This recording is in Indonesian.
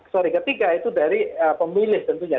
sorry ketiga itu dari pemilih tentunya